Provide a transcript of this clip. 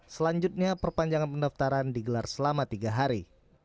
selanjutnya perpanjangan pendaftaran digelar selama tiga hari